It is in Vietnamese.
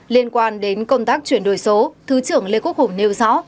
liên quan đến công tác chuyển đổi số thứ trưởng lê quốc hùng nêu rõ